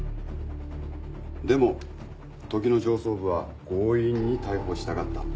でも時の上層部は強引に逮捕したがった。